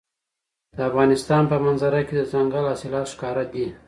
د افغانستان په منظره کې دځنګل حاصلات ښکاره ده.